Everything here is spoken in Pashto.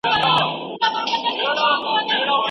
لاس لیکنه د تاریخ د ثبتولو لرغونې لاره ده.